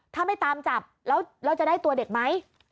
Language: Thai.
ถ้าไม่ตามจับแล้วจะได้ตัวเด็กไหม